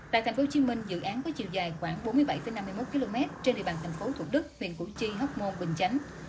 tại tp hcm dự án có chiều dài khoảng bốn mươi bảy năm mươi một km trên địa bàn tp thủ đức huyện củ chi hóc môn bình chánh